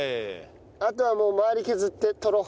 あとはもう周り削って取ろう。